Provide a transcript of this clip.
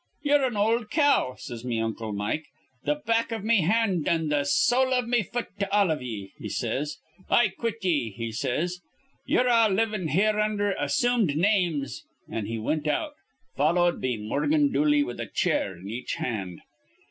'Ye're an ol' cow,' says me uncle Mike. 'Th' back iv me hand an' th' sowl iv me fut to all iv ye,' he says. 'I quit ye,' he says. 'Ye're all livin' here undher assumed names'; an' he wint out, followed be Morgan Dooley with a chair in each hand.